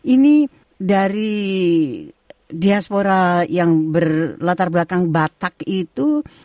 ini dari diaspora yang berlatar belakang batak itu